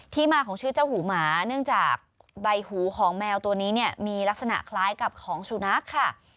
มาของชื่อเจ้าหูหมาเนื่องจากใบหูของแมวตัวนี้เนี่ยมีลักษณะคล้ายกับของสุนัขค่ะ